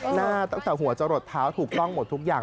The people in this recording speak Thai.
หน้าตั้งแต่หัวจะหลดเท้าถูกต้องหมดทุกอย่าง